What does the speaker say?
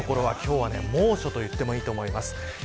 晴れる所は今日は猛暑と言ってもいいと思います。